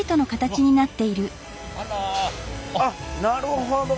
あっなるほど。